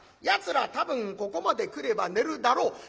「やつら多分ここまで来れば寝るだろう」。